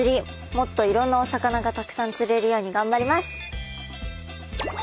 もっといろんなお魚がたくさん釣れるように頑張ります。